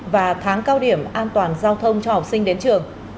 và tháng cao điểm an toàn giao thông cho học sinh đến trường